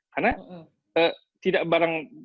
karena tidak barang